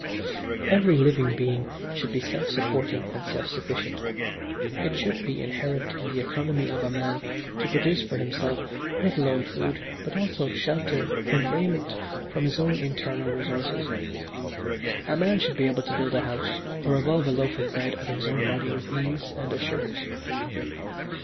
"Every living being should be self supporting and self sufficient. It should be inherent in the economy of a man to produce for himself not alone food but also shelter and raiment from his own internal resources. A man should be able to build a house or evolve a loaf of bread out of his own body with ease and assurance.